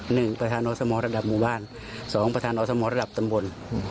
หนึ่งประธานอสมระดับหมู่บ้านสองประธานอสมระดับตำบล